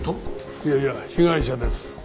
いやいや被害者です。